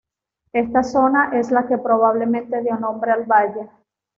Esta zona es la que probablemente dio nombre al valle.